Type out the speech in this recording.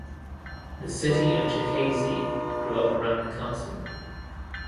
The city of Cherkasy grew up around the castle.